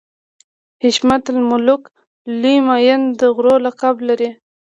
حشمت الملک لوی معین د غرو لقب لري.